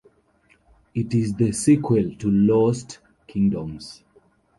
It is the sequel to "Lost Kingdoms".